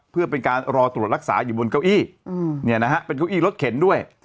เพื่อเป็นการรอตรวจรักษาอยู่บนเก้าอี้เนี่ยนะฮะเป็นเก้าอี้รถเข็นด้วย